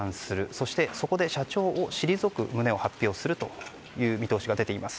そして社長を退く旨を発表するという見通しが出ています。